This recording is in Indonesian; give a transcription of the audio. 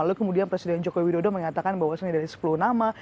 lalu kemudian presiden jokowi dodo mengatakan bahwasannya dari sepuluh nama